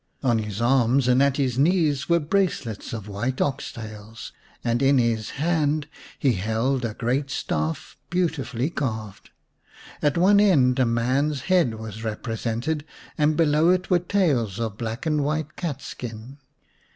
On his arms and at his knees were bracelets of white ox tails, and in his hand he held a great staff beautifully carved. At one end a man's head was represented, and below it were tails of black and white cat skin.